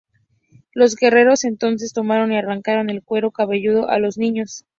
Los guerreros entonces tomaron y arrancaron el cuero cabelludo a los niños.